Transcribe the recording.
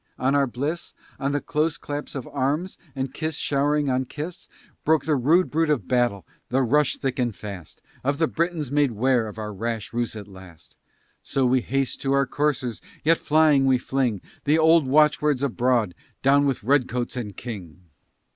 on our bliss, On the close clasp of arms and kiss showering on kiss, Broke the rude bruit of battle, the rush thick and fast Of the Britons made 'ware of our rash ruse at last; So we haste to our coursers, yet flying, we fling The old watch words abroad, "Down with Redcoats and King!"